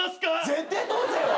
絶対通せよ！